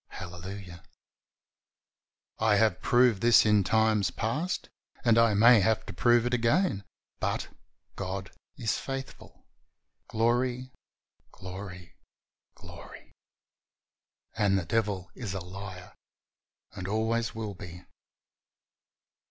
Hallelujah! I have proved this in times past, and I may have to prove it again, but "God is faithful." Glory! Glory! Glory! And the devil is a liar and always will be.